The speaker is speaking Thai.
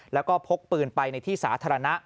แล้วก็พกปืนไปในที่สาธารณะ